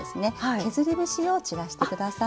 削り節を散らしてください。